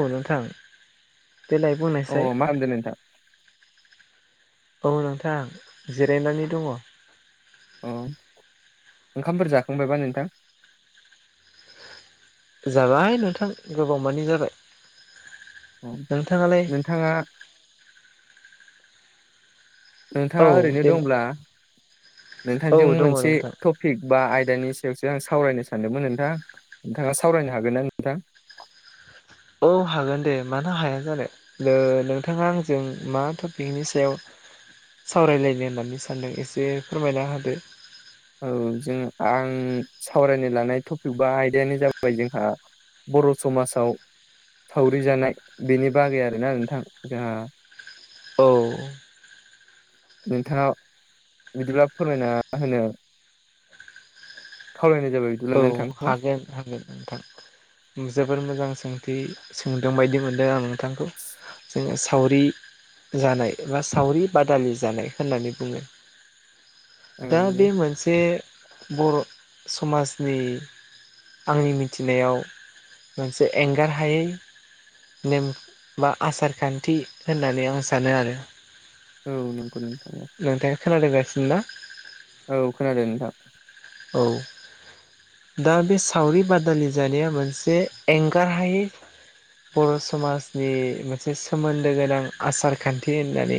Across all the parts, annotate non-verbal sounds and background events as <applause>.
औ नोंथां देलाय अ बुंनायसाय। मा खालामदों नोंथां औ नोंथां जिरायनानै दङ। अ ओंखामफोर जाखांबायबा नोंथां जाबाय नोंथां गोबावमानि जाबाय। ओम नोंथाङालाय नोंथाङा औ नोंथाङा ओरैनो दे दंब्ला औ नोंथांजों दङ मोनसे नोंथां ट पिक बा आयदानि सायावसो आं सावरायनो सानदोंमोन नोंथां नोंथाङा सावरायनो हागोन ना नोंथां। औ हागोन दे मानो हाया जानो। नोंथाङा आंजों मा टपिकनि सायाव सावरायलायनो होननानै सानदों एसे फोरमायना होदो। औ जों आं सावरायनो लानाय टपिक बा आयदायानो जाबाय जोंहा बर' समाजाव सावरि जानाय बेनि बागै आरोना नोंथां जोंहा औ नोंथाङा बिदिब्ला फोरमायना होनो खावलायनाय जाबाय बिदिब्ला औ नोंथां। हागोन हागोन। नोंथां जोबोर मोजां सोंथि सोंदों बायदि मोनदों आङो नोंथांखौ जोङो सावरि जानाय बा सावरि बादालि जानाय होननानै बुङो। औ दा बे मोनसे बर' समाजनि आंनि मिथिनायाव मोनसे एंगार हायै नेम बा आसार खान्थि होननानै आं सानो आरो। औ नंगौ नोंथां। नोंथाङा खोनादोंगासिनो ना। औ खोनादों नोंथां औ दा बे सावरि बादालि जानाया मोनसे एंगारहायै बर' समाजनि मोनसे सोमोन्दो गोनां आसार खान्थि होननानै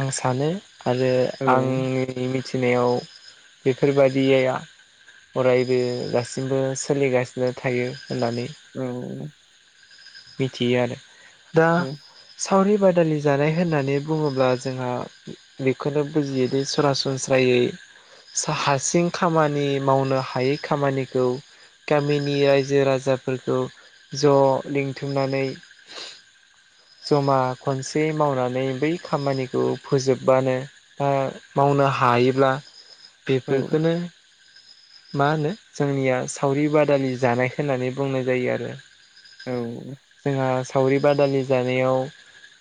आं सानो आरो औ आंनि मिथिनायाव बेफोरबायदि या आ अरायबो दासिमबो सोलिगासिनो थायो होननानै औ मिथियो आरो दा औ सावरि बादालि जानाय होननानै बुङोब्ला जोंहा बेखौनो बुजियोदि सरासनस्रायै सा-हासिं खामानि मावनो हायै खामानिखौ गामिनि रायजो राजाफोरखौ ज' लिंथुमनानै जमा खनसे मावनानै बै खामानिखौ फोजोबबानो ओ मावनो हायोब्ला औ बेफोरखौनो मा होनो जोंनिया सावरि बादालि जानाय होननानै बुंनाय जायो आरो। औ जोंहा सावरि बादालि जानायाव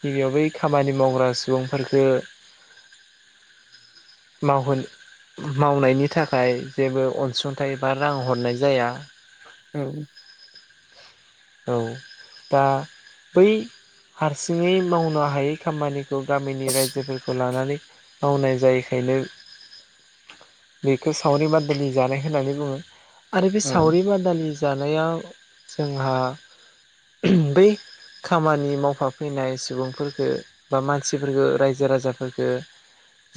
गिबियाव बै खामानि मावग्रा सुबुंफोरखो <inaudible> मावनायनि थाखाय नाथाय जेबो अनसुंथाइ बा रां हरनाय जाया औ औ बा बै हारसिङै मावनो हायै खामानिखौ गामिनि रायजोफोरखौ लानानै मावनाय जायैखायनो बेखौ सावरि बादालि जानाय होननानै बुङो आरो बे सावरि बादालि जानाया जोंहा बै खामानि मावफाफैनाय सुबुंफोरफोरखो बा मानसिफोरखो रायजो राजाफोरखो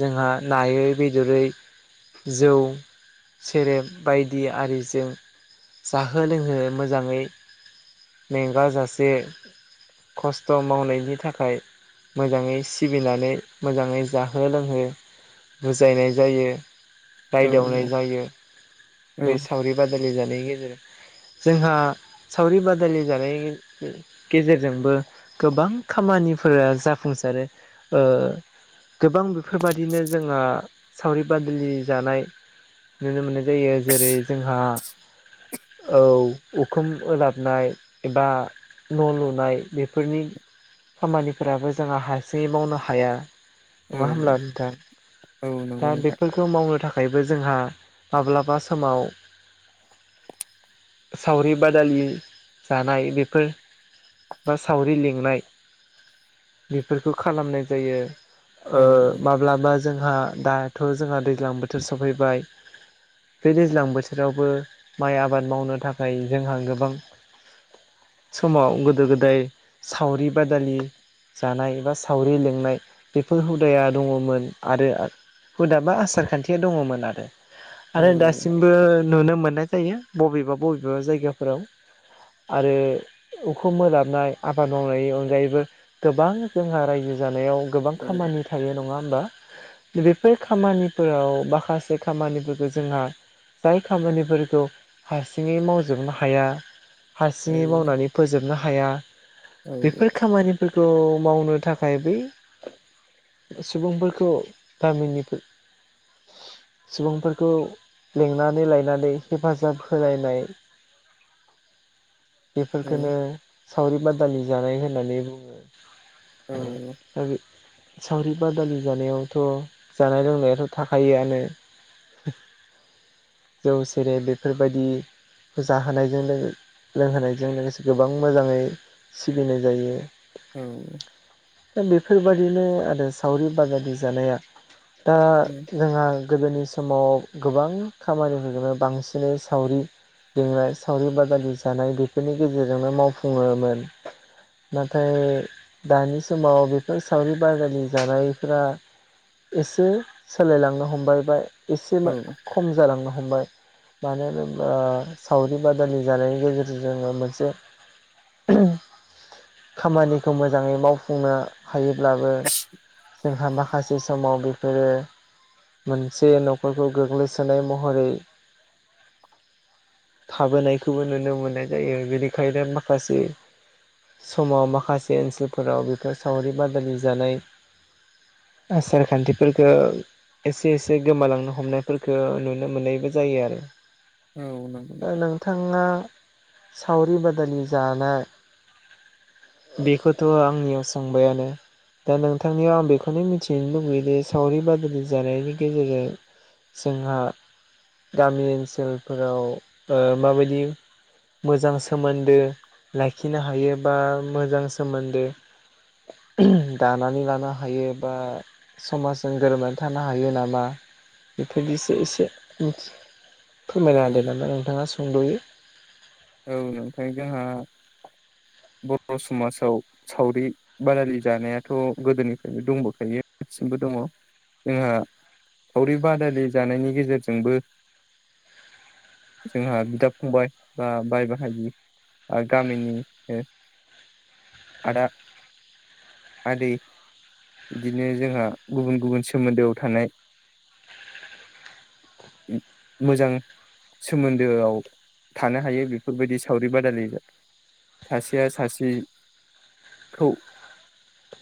जोंहा नायै बेदरै जौ सेरेब बायदि आरिजों जाहो लोंहो मोजाङै मेंगाजासे खस्थ' मावनायनि थाखाय मोजाङै सिबिनानै मोजाङै जाहो लोंहो बुजायनाय जायो औ रायदावनाय जायो औ बे सावरि जानायनि गेजेरजों जोंहा सावरि जानाय गेजेरजोंबो गोबां खामानिफोरा जाफुंसारो। ओ गोबां बेफोरबादिनो जोंहा सावरि बादालि जानाय नुनो मोननाय जायो। जेरै जोंहा औ उखुम उलाबनाय एबा न' लुनाय बेफोरनि खामानिफोराबो जोंहा हारसिङै मावनो हाया। नङा होमब्ला औ नोंथां औ नंगौ दा नोंथां बेफोर खो मावनो थाखायबो जोंहा माब्लाबा समाव सावरि बादालि जानाय बेफोर बा सावरि लिंनाय बेफोरखो खालामनाय जायो औ ओ माब्लाबा जोंहा दाथ' जोंहा दैज्लां बोथोर सफैबाय बे दैज्लां बोथोरावबो माइ आबाद मावनो थाखाय जोंहा गोबां <inaudible> समाव गोदो गोदाय सावरि बादालि जानाय बा सावरि लेंनाय बेफोर हुदाया दङमोन आरो हुदाबा आसार खान्थिया दङमोन आरो। औ आरो दासिमबो नुनो मोननाय जायो बबेबा बबेबा जायगाफोराव आरो उखुम ओलाबनाय आबाद मावनायनि अनगायैबो गोबां जोंहा रायजो जानायाव गोबां औ खामानि थायो नङा होमबा बेफोर खामानिफोराव माखासे खामानिफोरखो जोंहा जाय खामानिफोरखौ हारसिङै मावजोबनो हाया औ हारसिङै मावनानै फोजोबनो हाया औ बेफोर खामानि फोरखौ मावनो थाखाय बै सुबुंफोरखौ गामिनि सुबुंफोरखौ लिंनानै लायनानै हेफाजाब होलायनाय औ बेफोरफोरखौनो सावरि बादालि जानाय होननानै बुङो। <inaudible> सावरि बादालि जानायावथ' जानाय लोंनायाथ' थाखायोआनो जौ सेरेब बेफोरबायदि जाहोनायजोंलो लोंहोनायजों लोगोसे गोबां मोजाङै सिबिनाय जायो। औ। दा बेफोरबायाददिनो आरो सावरि बाजादि जानाया दा जोंहा गोदोनि समाव गोबां खामानिफोरखौनो बांसिनै सावरि लेंनाय सावरि बादालि जानाय बेफोरनि गेजेरजोंनो मावफुङोमोन। नाथाय दानि समाव बेफोर सावरि बाजालि जानायफोरा एसे सोलायलांनो हमबायबाय। एसे खम जालांनो हमबाय मानो होनोब्ला सावरि बादालि जानाय गेजेरजों जोङो मोनसे <unintelligible> खामानिखौ मोजाङै मावफुंनो हायोब्लाबो जोंहा माखासे समाव बेफोरो मोनसे न'खरखौ गोग्लैसोनाय महरै थाबोनायखौबो नुनो मोननाय जायो। बेनिखायनो माखासे समाव माखासे ओनसोलफोराव बेफोर सावरि बादालि जानाय आसारखान्थिफोरखौ एसे एसे गोमालांनो हमनायफोरखौ नुनो मोननायबो जायो आरो। औ नंगौ। बिथाङा सावरि बादालि जाना बेखौथ' आंनियाव सोंबायानो। दा नोंथांनियाव आं बेखौनो मिथिनो लुुबैयो जे सावरि बादलि जानायनि गेजेरजों जोंहा गामि ओनसोलफोराव माबायदि मोजां सोमोन्दो लाखिनो हायो बा मोजां सोमोन्दो दानानै लानो हायो बा समाजजों गोरोबनानै थानो हायो नामा बेफोरदिसो एसे औ फोरमायना होदो नामा नोंथाङा सोंद'यो। औ नोंथाजों आंहा बर' समाजाव सावरि बादालि जानायाथ' गोदोनिफ्रायनो दंबोखायो दासिमबो दङ। जोंहा सावरि बादालि जानायनि गेजेरजोंबो जोंहा बिदा फंबाय बा बाय बाहायि गामिनि ओ। आदा आदै। बिदिनो जोंहा गुबुन गुबुन सोमोन्दोआव थानाय मोजां सोमोन्दोआव थानो हायो बेफोरबायदि सावरि बादायलि सासेया सासे खौ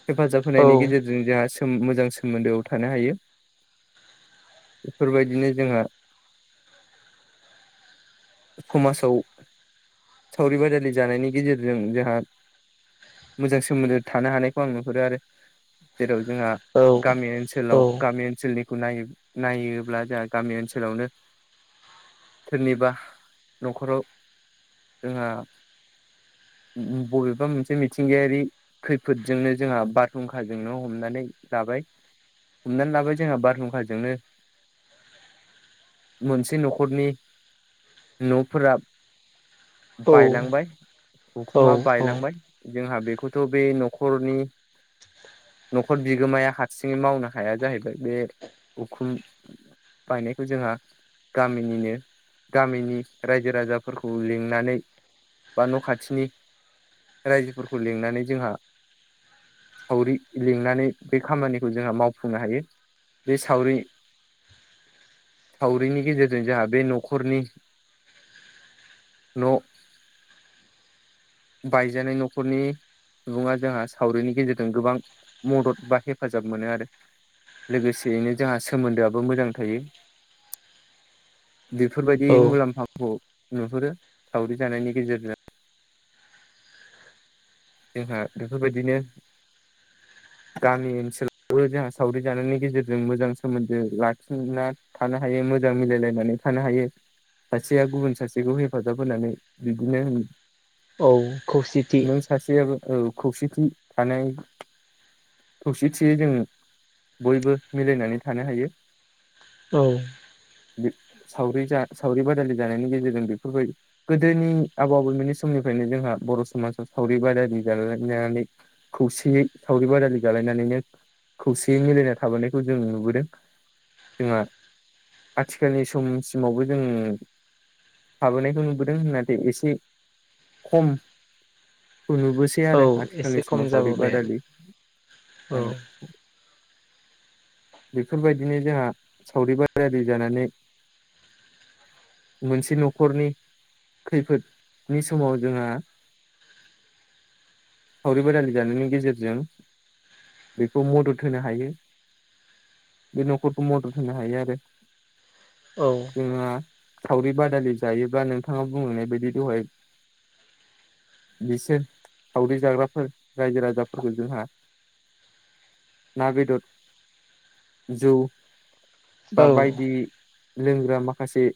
हेफाजाब होनायनि औ गेजेरजों जोंहा मोजां सोमोन्दोआव थानो हायो। बेफोरबायदिनो जोंहा समाजाव सावरि बादालि जानायनि गेजेरजों जोंहा मोजां सोमोन्दो थानो हानायखौ आं नुहरो आरो। जेराव जोंहा औ गामि ओनसोलाव औ गामि ओनसोलनिखौ नाय नायोब्ला जोंहा गामि ओनसोलावनो सोरनिबा न'खराव जोंहा ब- बबेबा मोनसे मिथिंगायारि खैफोदजोंनो जोंहा बारहुंखाजोंनो हमनानै लाबाय। हमनानै लाबाय जोंहा बारहुंखाजोंनो मोनसे न'खरनि न'फोरा औ बायलांबाय औ उखुमा बायलांबाय औ जोंहा बेखौथ' बे न'खरनि न'खर बिगोमाया हारसिङै मावनो हाया जाहैबाय बे उखुम बायनायखौ जोंहा गामिनिनो गामिनि रायजो राजाफोरखौ लिंनानै बा न' खाथिनि रायजोफोरखौ लिंनानै जोंहा सावरि लिंनानै बे खामानिखौ जोंहा मावफुंनो हायो। बे सावरि सावरिनि गेजेरजों जोंहा बे न'खरनि न' बायजानाय न'खरनि सुबुङा जोंहा सावरिनि गेजेरजों गोबां मदद बा हेफाजाब मोनो आरो। लोगोसेयैनो जोंहा सोमोन्दोआबो मोजां थायो। बेफोरबायदि औ मुलाम्फाखौ नुहुरो सावरि जानायनि गेजेरजों। जोंहा बेफोरबायदिनो गामि ओनसोलावबो जोंहा सावरि जानायनि गेजेरजों मोजां सोमोन्दो लाखिना थानो हायो मोजां मिलायलायनानै थानो हायो। सासेया गुबुन सासेखौ हेफाजाब होनानै बिदिनो औ खौसेथि नों सासेयाबो औ खौसेथि थानाय खौसेथियै जों बयबो मिलायनानै थानो हायो। औ। बे सावरि जा सावरि बादालि जानायनि गेजेरजों बेफोरबायदि गोदोनि आबौ आबौमोननि समनिफ्रायनो जोंहा बर' समाजाव सावरि बादालि जालायनानै खौसेयै सावरि बादालि जालायनानैनो खौसेयै मिलायना थाबोनायखौ जों नुबोदों। जोंहा आथिखालनि समसिमावबो जों थाबोनायखौ नुबोदों नाथाय एसे खम खौ नुबोसै औ आरो एसे आथिखालनि खम समाव सावरि जाबोबाय आरो बादालि जानाय <inaudible> बेफोरबायदिनो जोंहा सावरि बादारि जानानै मोनसे न'खरनि खैफोदनि समाव जोंहा सावरि बादालि जानायनि गेजेरजों बेखौ मदद होनो हायो। बे न'खरखौ मदद होनो हायो आरो। औ। जोंहा सावरि बादालि जायोब्ला नोंथाङा बुंहैनाय बायदि दहाय बिसोर सावरि जाग्राफोर रायजो राजाफोरखौ जोंहा ना बेदर जौ बा औ बायदि लोंग्रा माखासे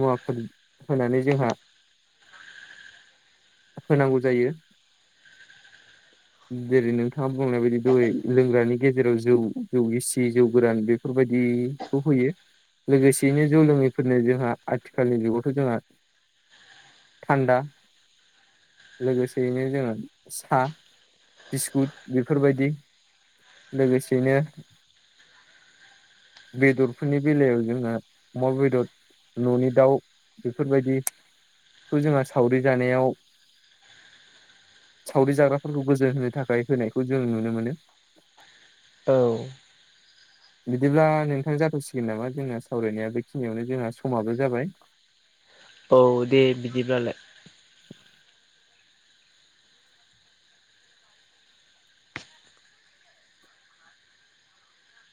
मुवाफोर होनानै जोंहा होनांगौ जायो। जेरै नोंथाङा बुंनाय बायदि दहाय लोंग्रानि गेजेराव जौ जौ गिसि जौ गोरान बे बेफोरबायदिखौ होयो। लोगोसेयैनो जौ लोङैफोरनो जोंहा आथिखालनि जुगावथ' जोंहा थान्दा लोगोसेयैनो जोङो साहा बिस्कुट बेफोरबायदि लोगोसेनो बेदरफोरनि बेलायाव जोङो अमा बेदर न'नि दाउ बेफोरबायदि बेखौ जोंहा सावरि जानायाव सावरि जाग्राफोरखौ गोजोन होनो थाखाय होनायखौ जों नुनो मोनो। औ। बिदिब्ला नोंथां जाथ'सिगोन नामा जोंना सावरायनाया बेखिनियावनो जोंहा समाबो जाबाय। औ दे बिदिब्लालाय।